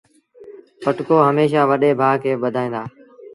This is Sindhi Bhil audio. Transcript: پٽڪو هميشآ وڏي ڀآ کي ٻڌآئيٚتآ۔